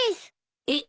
えっ！？